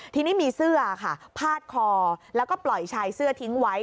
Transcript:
ทีนี้มีเสื้อค่ะพาดคอแล้วก็ปล่อยชายเสื้อทิ้งไว้